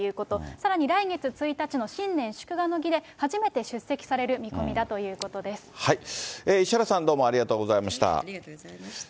さらに来月１日の新年祝賀の儀で初めて出席される見込みだという石原さん、どうもありがとうありがとうございました。